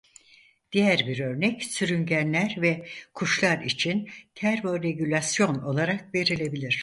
Diğer bir örnek sürüngenler ve kuşlar için termoregülasyon olarak verilebilir.